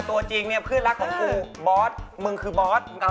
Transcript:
โอ้ยเพื่อนรัก